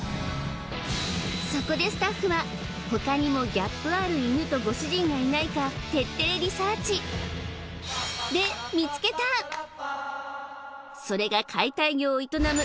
そこでスタッフは他にもギャップある犬とご主人がいないか徹底リサーチで見つけたそれが解体業を営む